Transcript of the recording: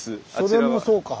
それもそうか。